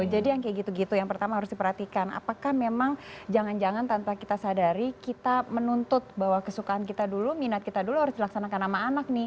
jadi yang kayak gitu gitu yang pertama harus diperhatikan apakah memang jangan jangan tanpa kita sadari kita menuntut bahwa kesukaan kita dulu minat kita dulu harus dilaksanakan sama anak nih